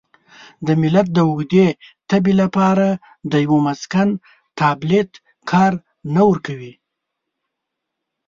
د ملت د اوږدې تبې لپاره د یوه مسکن تابلیت کار نه ورکوي.